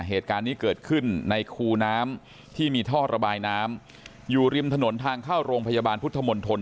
เหตุการณ์นี้เกิดขึ้นในคูน้ำที่มีท่อระบายน้ำอยู่ริมถนนทางเข้าโรงพยาบาลพุทธมนตร